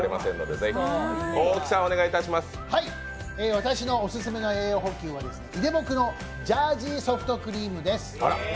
私のオススメの栄養補給はいでぼくのジャージーソフトクリームです。